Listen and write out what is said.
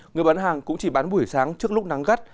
người bán hàng cũng chỉ bán buổi sáng trước lúc nắng gắt